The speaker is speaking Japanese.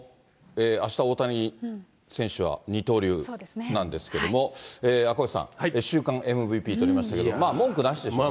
あした、大谷選手は二刀流なんですけれども、赤星さん、週間ＭＶＰとりましたけれども、まあ文句なしでしょうね。